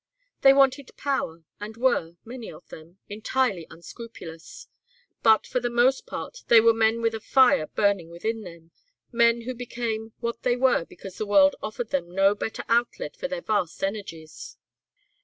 They wanted power and were, many of them, entirely unscrupulous, but for the most part they were men with a fire burning within them, men who became what they were because the world offered them no better outlet for their vast energies.